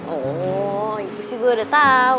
oh itu sih gue udah tau